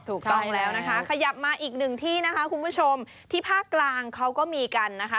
ถูกต้องแล้วนะคะขยับมาอีกหนึ่งที่นะคะคุณผู้ชมที่ภาคกลางเขาก็มีกันนะคะ